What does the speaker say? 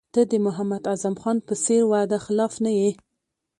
ته د محمد اعظم خان په څېر وعده خلاف نه یې.